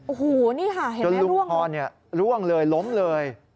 โอ้โฮนี่ค่ะเห็นมั้ยล่วงลุงพรล่วงเลยล้มเลย